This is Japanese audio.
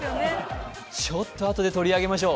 ちょっとあとで取り上げましょう。